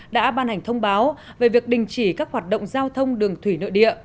đã ban hành thông báo về việc đình chỉ các hoạt động giao thông đường thủy nội địa